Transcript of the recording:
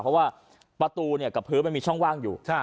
เพราะว่าประตูกับพื้นมันมีช่องว่างอยู่